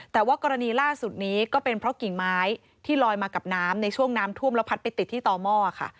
แต่ว่ากรณีล่าสุดนี้ก็เป็นเพราะกิ่งไม้ที่ลอยมากับน้ำในช่วงน้ำท่วมแล้วพัดไปติดที่ต่อหม้อค่ะ